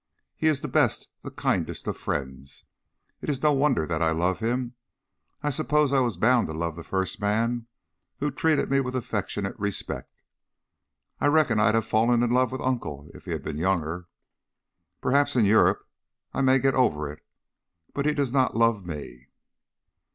He is the best, the kindest of friends. It is no wonder that I love him. I suppose I was bound to love the first man who treated me with affectionate respect. I reckon I'd have fallen in love with Uncle if he'd been younger. Perhaps in Europe I may get over it. But he does not love me."